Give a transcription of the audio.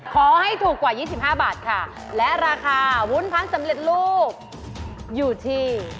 ขอให้ถูกกว่า๒๕บาทค่ะและราคาวุ้นพันธุ์สำเร็จลูกอยู่ที่